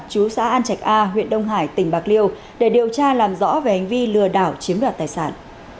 chú xã an trạch a huyện đông hải tp hcm để điều tra làm rõ về hành vi lừa đảo chiếm đoạt tài sản